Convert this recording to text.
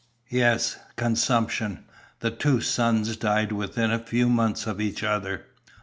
"Yes, consumption. The two sons died within a few months of each other."